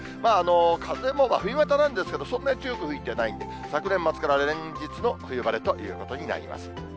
風も冬型なんですが、そんなに強く吹いてないんで、昨年末から連日の冬晴れということになります。